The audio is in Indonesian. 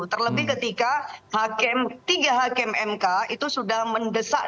terlebih ketika tiga hakim mk itu sudah mendesak